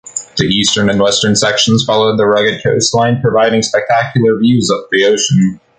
The eastern and western sections follow the rugged coastline, providing spectacular views of the ocean.